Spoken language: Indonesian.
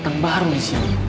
dateng baru disini